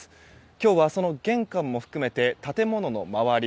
今日はその玄関も含めて建物の周り